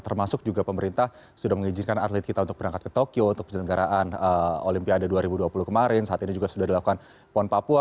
termasuk juga pemerintah sudah mengizinkan atlet kita untuk berangkat ke tokyo untuk penyelenggaraan olimpiade dua ribu dua puluh kemarin saat ini juga sudah dilakukan pon papua